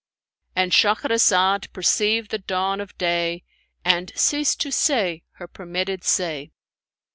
"—And Shahrazad perceived the dawn of day and ceased to say her permitted say.